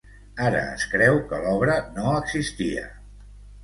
Ara es creu que l'obra no existia.